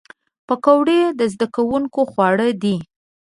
پکورې د زدهکوونکو خواړه دي